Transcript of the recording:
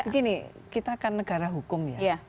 begini kita kan negara hukum ya